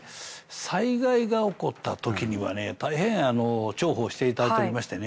災害が起こったときにはねたいへん重宝していただいておりましてね。